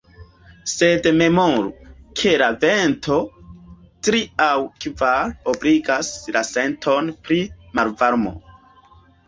Sed memoru, ke la vento tri- aŭ kvar-obligas la senton pri malvarmo.